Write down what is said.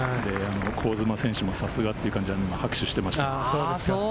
香妻選手もさすがという感じで拍手をしていました。